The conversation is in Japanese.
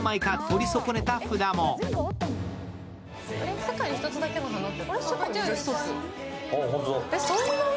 「世界に一つだけの花」って。